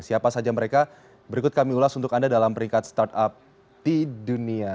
siapa saja mereka berikut kami ulas untuk anda dalam peringkat startup di dunia